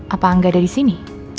apa angga ada disini